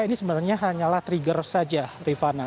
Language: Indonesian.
ini sebenarnya hanyalah trigger saja rifana